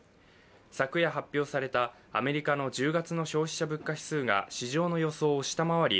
昨夜発表されたアメリカの１０月の消費者物価指数が市場の予想が下回り